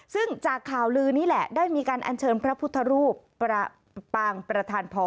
ซึ่งจากข่าวลือนี้แหละได้มีการอัญเชิญพระพุทธรูปปางประธานพอ